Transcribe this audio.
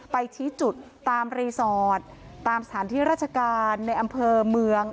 ไปชี้จุดตามรีสอร์ทตามสถานที่ราชการในอำเภอเมือง